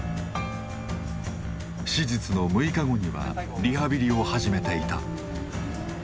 手術の６日後にはリハビリを始めていた。